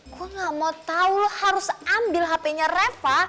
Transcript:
gue ga mau tau lo harus ambil hpnya reva